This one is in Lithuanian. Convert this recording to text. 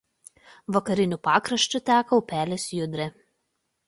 Vakariniu pakraščiu teka upelis Judrė.